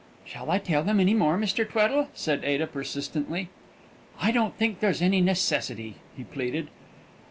"Shall I tell them any more, Mr. Tweddle?" said Ada, persistently. "I don't think there's any necessity," he pleaded.